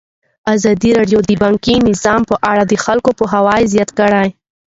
ازادي راډیو د بانکي نظام په اړه د خلکو پوهاوی زیات کړی.